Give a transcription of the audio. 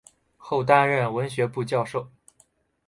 后担任文学部教授。